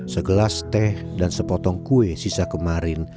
segelas teh dan sepotong kue sisa kemarin